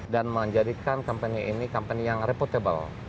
dan menjadikan company ini company yang reputable